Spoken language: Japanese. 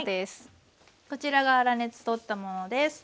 こちらが粗熱取ったものです。